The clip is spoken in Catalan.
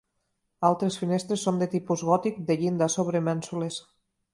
Altres finestres són de tipus gòtic de llinda sobre mènsules.